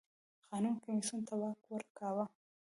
قانون کمېسیون ته واک ورکاوه.